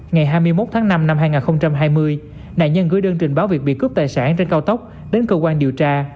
ngày hai mươi một tháng năm năm hai nghìn hai mươi nạn nhân gửi đơn trình báo việc bị cướp tài sản trên cao tốc đến cơ quan điều tra